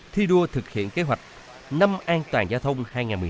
thi đua thực hiện kế hoạch năm an toàn gia thông hai nghìn một mươi hai